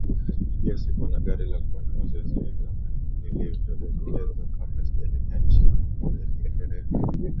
pia sikuwa na gari la kwenda mazoezini kama nilivyodokezwa kabla sijaelekea nchini humoNilikereka